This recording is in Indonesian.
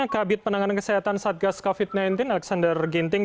kabit penanganan kesehatan satgas covid sembilan belas alexander ginting